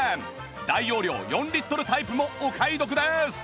大容量４リットルタイプもお買い得です！